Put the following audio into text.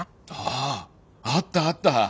ああったあった。